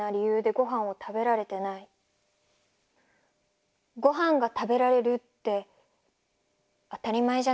ごはんが食べられるって当たり前じゃないんだね。